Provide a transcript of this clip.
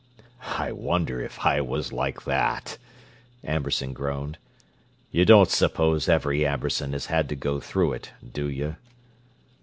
"I wonder if I was like that!" Amberson groaned. "You don't suppose every Amberson has had to go through it, do you?"